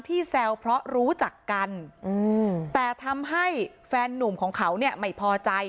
แซวเพราะรู้จักกันแต่ทำให้แฟนนุ่มของเขาเนี่ยไม่พอใจ